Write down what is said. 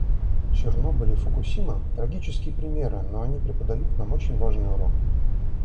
Чернобыль и Фукусима — трагические примеры, но они преподают нам очень важный урок.